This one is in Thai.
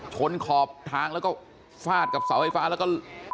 ขอบทางแล้วก็ฟาดกับเสาไฟฟ้าแล้วก็